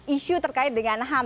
isu terkait dengan ham